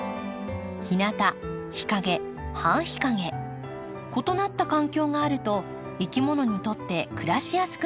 ひなた日陰半日陰異なった環境があるといきものにとって暮らしやすくなります。